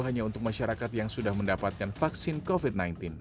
hanya untuk masyarakat yang sudah mendapatkan vaksin covid sembilan belas